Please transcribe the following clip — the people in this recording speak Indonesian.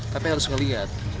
tapi harus ngeliat